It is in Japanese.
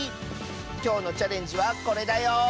きょうのチャレンジはこれだよ！